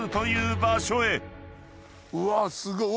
うわっすごい。